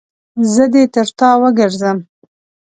زه دې تر تا وګرځم.